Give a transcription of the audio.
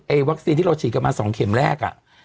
วัคซีนที่เราฉีดกันมา๒เข็มแรกอ่ะ